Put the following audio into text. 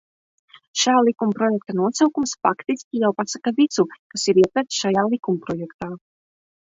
Šā likumprojekta nosaukums faktiski jau pasaka visu, kas ir ietverts šajā likumprojektā.